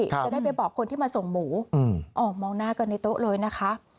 จะได้ไปบอกคนที่มาส่งหมูออกมองหน้ากันในโต๊ะเลยนะคะ